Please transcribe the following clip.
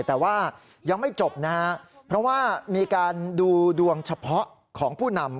แต่ว่ายังไม่จบนะฮะเพราะว่ามีการดูดวงเฉพาะของผู้นำ